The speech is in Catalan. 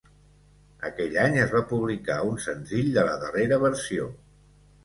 Aquell any es va publicar un senzill de la darrera versió.